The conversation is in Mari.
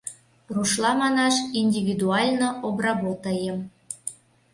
Рушла манаш, индивидуально обработаем...